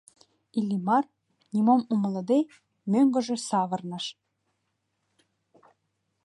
Иллимар, нимом умылыде, мӧҥгыжӧ савырныш.